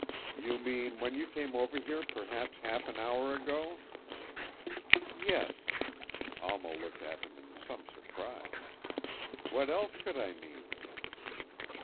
"You mean, when you came over here perhaps half an hour ago?" "Yes." Alma looked at him in some surprise. "What else could I mean?"